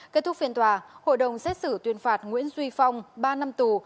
kết thúc phiên tòa hội đồng xét xử tuyên phạt nguyễn duy phong ba năm tù